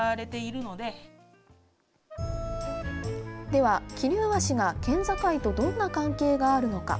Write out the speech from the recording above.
では、桐生和紙が県境とどんな関係があるのか？